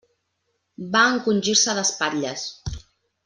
Va encongir-se d'espatlles.